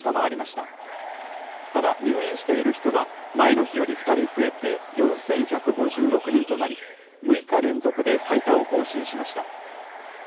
ただ、入院している人は前の日より２人増えて、４１５６人となり、６日連続で最多を更新しました。